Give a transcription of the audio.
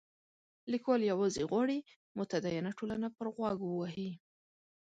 لیکوال یوازې غواړي متدینه ټولنه پر غوږ ووهي.